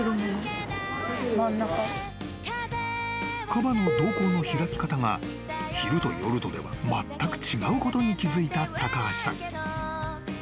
［カバの瞳孔の開き方が昼と夜とではまったく違うことに気付いた高橋さん］